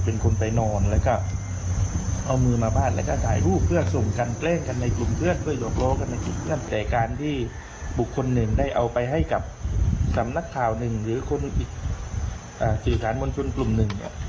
สำนักข่าวหนึ่งหรือคนอื่นอีกสื่อสารมวลชุมกลุ่มหนึ่ง